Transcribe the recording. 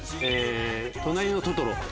『となりのトトロ』。